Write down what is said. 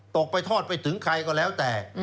ตกไปทอดไปถึงใครก็แล้วแต่